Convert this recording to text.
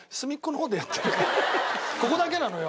ここだけなのよ。